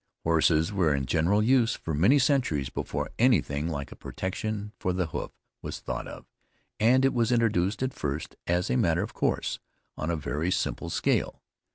Horses were in general use for many centuries before anything like a protection for the hoof was thought of, and it was introduced, at first, as a matter of course, on a very simple scale.